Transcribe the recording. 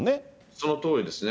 そのとおりですね。